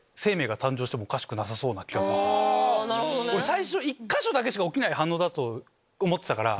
最初１か所だけでしか起きない反応だと思ってたから。